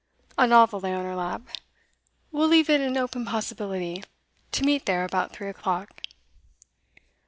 A novel lay on her lap. 'We'll leave it an open possibility to meet there about three o'clock.